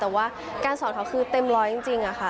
แต่ว่าการสอนเขาคือเต็มร้อยจริงค่ะ